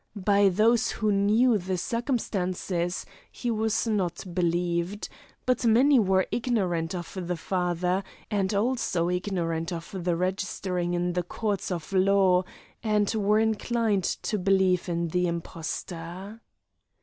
By those who knew the circumstances, he was not believed; but many were ignorant of the father, and also ignorant of the registering in the courts of law, and were inclined to believe in the impostor.